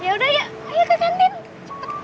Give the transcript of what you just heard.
yaudah ya ayo ke kantin cepetan